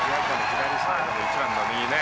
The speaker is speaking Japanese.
左サイドの１番の右ね。